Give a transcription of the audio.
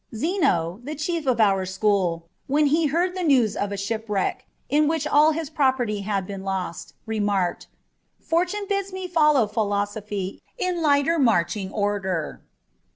Zeno, the chief of oar school, when he heard the news of a shipwreck, in which all his property had been lost, remarked, " Fortune bids me follow philosophy in lighter marching order."